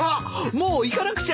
もう行かなくちゃ。